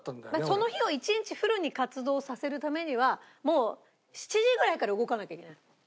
その日を１日フルに活動させるためにはもう７時ぐらいから動かなきゃいけない。